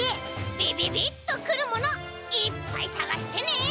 びびびっとくるものいっぱいさがしてね！